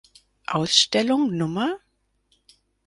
Ausstellung Nr.